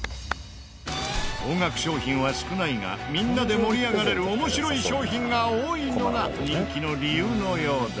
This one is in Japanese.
高額商品は少ないがみんなで盛り上がれる面白い商品が多いのが人気の理由のようだ。